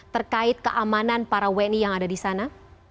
terkait keamanan para wni yang ada di sana